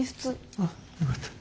あっよかった。